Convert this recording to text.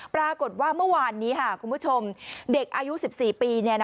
ปรากฏว่าเมื่อวานนี้คุณผู้ชมเด็กอายุ๑๔ปี